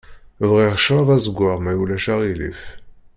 Bɣiɣ ccṛab azeggaɣ ma ulac aɣilif.